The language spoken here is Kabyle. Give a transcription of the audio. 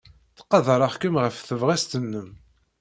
Ttqadareɣ-kem ɣef tebɣest-nnem.